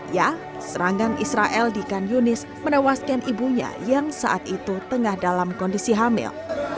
ya serangan israel di kan yunis menewaskan ibunya yang saat itu tengah dalam kondisi hamil